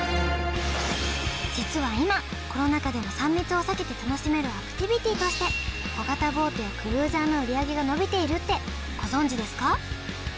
実は今コロナ禍でも３密を避けて楽しめるアクティビティとして小型ボートやクルーザーの売り上げが伸びているってご存じですか？